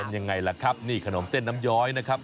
ยังไงล่ะครับนี่ขนมเส้นน้ำย้อยนะครับ